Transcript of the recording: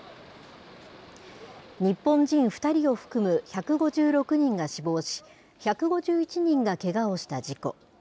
日本人２人を含む１５６人が死亡し、１５１人がけがをした事故。